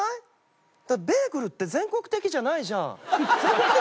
だってベーグルって全国的じゃないじゃん。